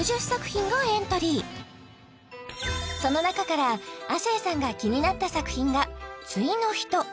その中から亜生さんが気になった作品が「終のひと」